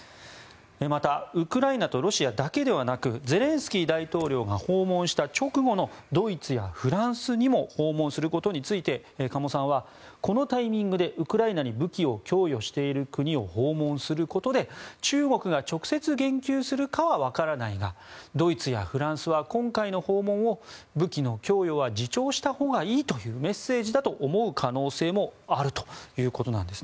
またウクライナとロシアだけではなくゼレンスキー大統領が訪問した直後のドイツやフランスにも訪問することについて加茂さんはこのタイミングでウクライナに武器を供与している国を訪問することで中国が直接言及するかはわからないがドイツやフランスは今回の訪問を武器の供与は自重したほうがいいというメッセージだと思う可能性もあるということなんです。